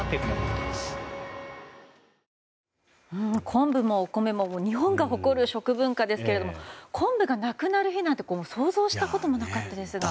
昆布もお米も日本が誇る食文化ですが昆布がなくなる日なんて想像したこともなかったですが。